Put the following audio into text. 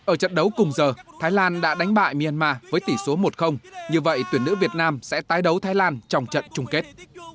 ở trận đấu cùng giờ thái lan đã đánh bại myanmar với tỷ số một như vậy tuyển nữ việt nam sẽ tái đấu thái lan trong trận chung kết